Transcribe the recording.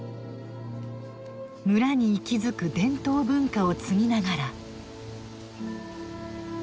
ムラに息づく伝統文化を継ぎながら。